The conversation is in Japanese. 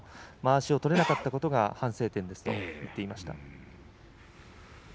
まわしを取れなかったことが反省点ですと言っています。